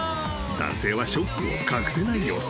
［男性はショックを隠せない様子］